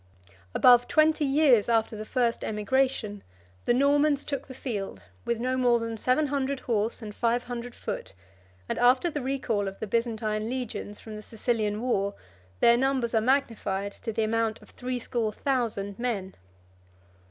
22 Above twenty years after the first emigration, the Normans took the field with no more than seven hundred horse and five hundred foot; and after the recall of the Byzantine legions 23 from the Sicilian war, their numbers are magnified to the amount of threescore thousand men.